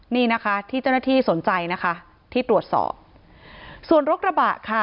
นี่นะคะที่เจ้าหน้าที่สนใจนะคะที่ตรวจสอบส่วนรถกระบะค่ะ